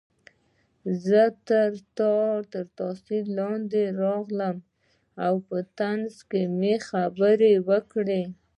زه تر تاثیر لاندې راغلم او په طنز مې خبرې وکړې